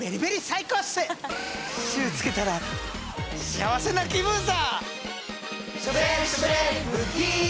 シュー付けたら幸せな気分さ！